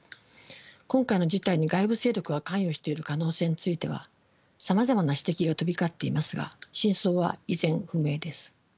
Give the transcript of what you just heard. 今回の事態に外部勢力が関与している可能性についてはさまざまな指摘が飛び交っていますが真相は依然不明です。